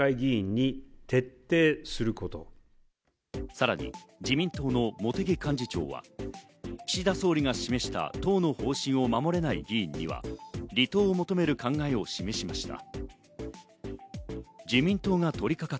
さらに自民党の茂木幹事長は、岸田総理が示した党の方針を守れない議員には離党を求める考えを示しました。